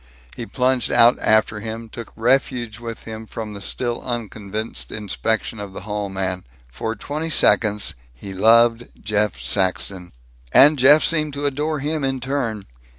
He plunged out after him, took refuge with him from the still unconvinced inspection of the hall man. For twenty seconds, he loved Jeff Saxton. And Jeff seemed to adore him in turn.